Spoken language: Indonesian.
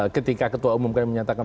ketika ketua umum kami menyatakan